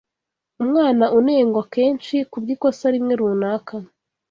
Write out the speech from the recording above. Umwana unengwa kenshi kubw’ikosa rimwe runaka